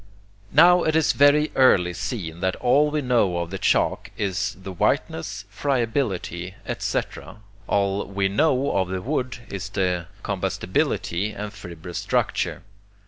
Now it was very early seen that all we know of the chalk is the whiteness, friability, etc., all WE KNOW of the wood is the combustibility and fibrous structure.